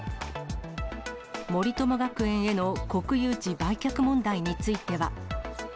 森友学園への国有地売却問題については。